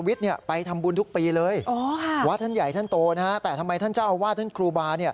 วัดท่านใหญ่ท่านโตแต่ทำไมท่านเจ้าอาวาดท่านครูบา